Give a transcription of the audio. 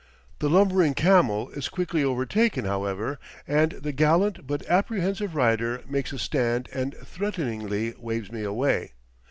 The lumbering camel is quickly overtaken, however, and the gallant but apprehensive rider makes a stand and threateningly waves me away.